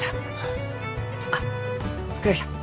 あっ倉木さん。